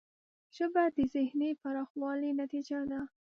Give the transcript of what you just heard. ژبه د ذهنی پراخوالي نتیجه ده